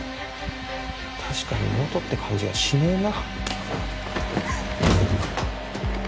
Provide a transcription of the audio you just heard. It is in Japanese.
確かに妹って感じがしねえな